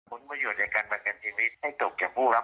เป็นอย่างที่เกิดจากการตายมันทิวไม่ใช่สารพระดุ